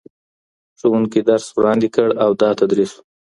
ښوونکي درس وړاندي کړ او دا تدريس و.